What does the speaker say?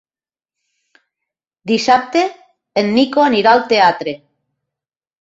Dissabte en Nico anirà al teatre.